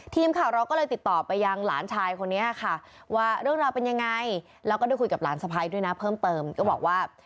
ทีมข่าวเราก็เลยติดต่อไปยังหลานชายคนนี้ค่ะว่าเรื่องราวเป็นยังไงแล้วก็ได้คุยกับหลานสะพ้ายด้วยนะเพิ่มเติมก็บอกว่า